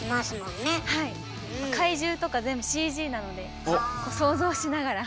怪獣とか全部ＣＧなので想像しながら。